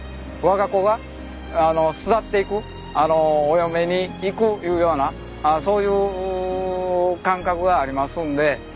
我が子が巣立っていくお嫁に行くいうようなそういう感覚がありますんで。